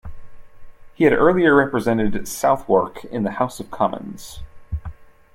He had earlier represented Southwark in the House of Commons.